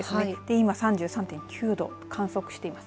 今３３．９度を観測してます。